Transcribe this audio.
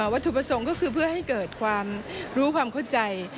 วัตถุประสงค์ก็คือเพื่อให้เกิดความรู้ความเข้าใจ